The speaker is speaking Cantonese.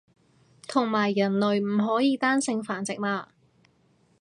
同埋人類唔可以單性繁殖嘛